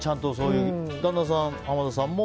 旦那さん、浜田さんも？